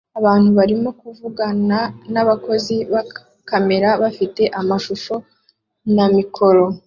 Abantu barimo kuvugana nabakozi ba kamera bafite amashusho na mikoro